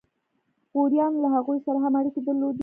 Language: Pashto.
غوریانو له هغوی سره هم اړیکې درلودې.